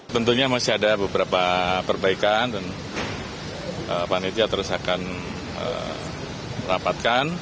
tentunya masih ada beberapa perbaikan dan panitia terus akan rapatkan